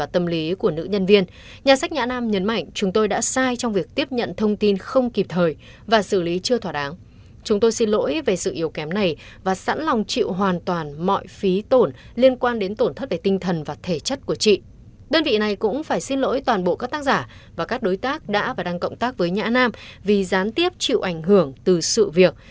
đơn vị này cũng phải xin lỗi toàn bộ các tác giả và các đối tác đã và đang cộng tác với nhã nam vì gián tiếp chịu ảnh hưởng từ sự việc